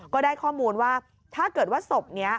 ก็ได้ข้อมูลว่าถ้าเกิดว่าศพนี้